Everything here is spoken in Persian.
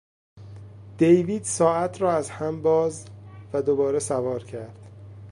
دیوید ساعت را از هم باز و دوباره سوار کرد.